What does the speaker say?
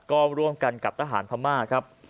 ก็ร่วมกันกับทหารพม่าครับ